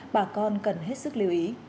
bà con cần hết sức lưu ý